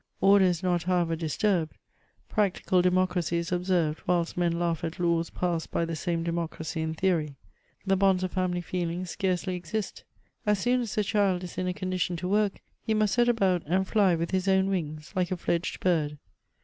Order is not, however, disturbed ; practical de mocracy is observed, whilst men laugh at laws passed by the same democracy in theory. The bonds of family feeling scarcely exist. As soon as the child is in a condition to work, he must set about and fly with his own wings, like a fledged bird.